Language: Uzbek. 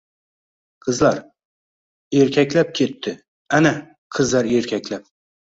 — Qizlar... erkaklab ketdi! Ana, qizlar erkaklab